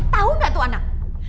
tau gak tuh anak